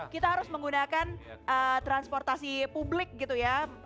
kita harus menggunakan transportasi publik gitu ya